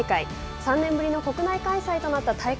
３年ぶりの国内開催となった大会